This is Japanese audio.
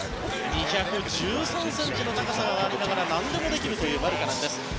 ２１３ｃｍの高さがありながら何でもできるというマルカネンです。